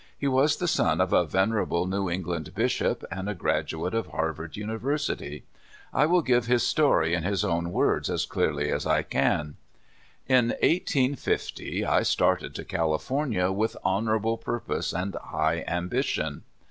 He was the son of a venerable New England bishop, and a graduate of Harvard University. I will give his story in his own words, as nearl}^ as I can: " In 1850 I started to California with honorable pur pose and high ambition.